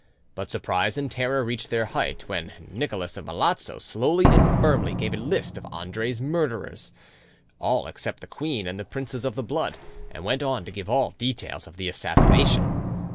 But surprise and terror reached their height when Nicholas of Melazzo slowly and firmly gave a list of Andre's murderers, all except the queen and the princes of the blood, and went on to give all details of the assassination.